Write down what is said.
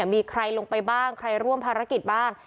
มีใครลงไปบ้างใครร่วมภารกิจบ้าง